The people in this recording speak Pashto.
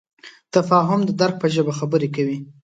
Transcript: تفاهم د درک په ژبه خبرې کوي.